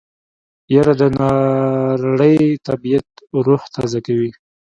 يره د ناړۍ طبعيت روح تازه کوي.